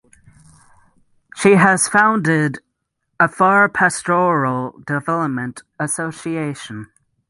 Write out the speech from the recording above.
She has founded Afar Pastoral Development Association.